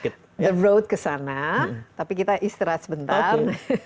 kita road ke sana tapi kita istirahat sebentar